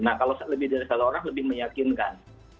nah kalau lebih dari satu orang lebih meyakinkan